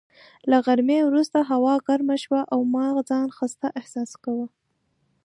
له غرمې وروسته هوا ګرمه شوه او ما ځان خسته احساس کاوه.